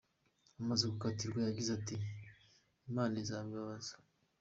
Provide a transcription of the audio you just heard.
Amaze gukatirwa yagize ati “Imana izabibabaza”